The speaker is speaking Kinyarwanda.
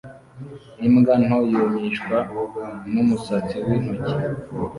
Imbwa nto yumishwa numusatsi wintoki